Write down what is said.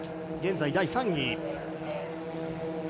現在第３位。